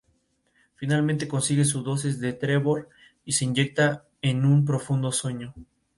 Finalmente consigue su dosis de Trevor y se inyecta en un profundo sueño.